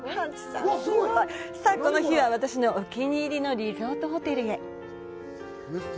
さあ、この日は私のお気に入りのリゾートホテルへ。